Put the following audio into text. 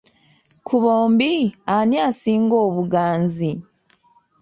Ku bombi ani asinga obuganzi?